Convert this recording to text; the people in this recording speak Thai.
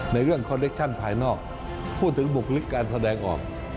ในเรื่องคอลเลคชั่นภายนอกพูดถึงบุคลิกการแสดงออก